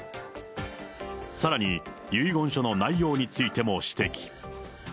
さらに、遺言書の内容についても指摘。